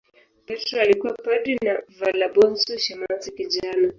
Petro alikuwa padri na Valabonso shemasi kijana.